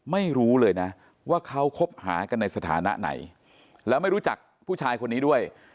ไม่รู้เลยนะว่าเขาคบหากันในสถานะไหนแล้วไม่รู้จักผู้ชายคนนี้ด้วย